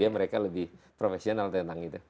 mereka lebih profesional tentang itu